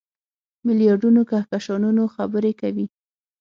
میلیاردونو کهکشانونو خبرې کوي.